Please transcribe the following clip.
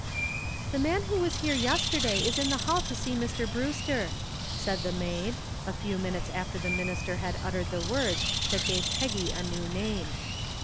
"The man who was here yesterday is in the hall to see Mr. Brewster," said the maid, a few minutes after the minister had uttered the words that gave Peggy a new name.